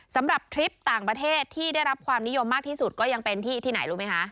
ทริปต่างประเทศที่ได้รับความนิยมมากที่สุดก็ยังเป็นที่ไหนรู้ไหมคะ